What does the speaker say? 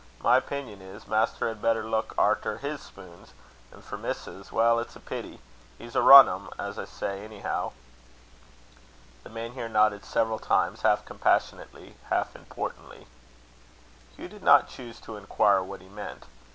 My opinion is, master had better look arter his spoons. And for missus well, it's a pity! He's a rum un, as I say, anyhow." The man here nodded several times, half compassionately, half importantly. Hugh did not choose to inquire what he meant.